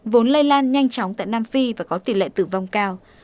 vốn lây lan nhanh chóng tại nam phi và có tỷ lệ tử vong cao